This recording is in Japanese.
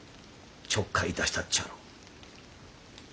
ちょっかい出したっちゃやろ？